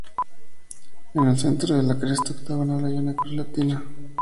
En el centro de la cresta octagonal hay una cruz latina.